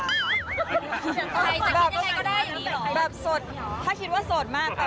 ใครจะคิดยังไงก็ได้